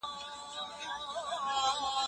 د راتلونکي پلان کول د پلار د فکر یوه څرګندونه ده.